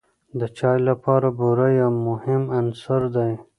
د چای لپاره بوره یو مهم عنصر دی.